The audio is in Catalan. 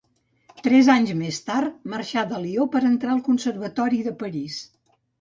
Tres anys més tard, marxà de Lió per entrar al Conservatori de París.